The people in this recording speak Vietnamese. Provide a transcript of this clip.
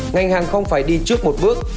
ngành hàng không phải đi trước một bước